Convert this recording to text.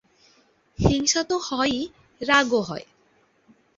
হিংসা তো হয়ই, রাগও হয়।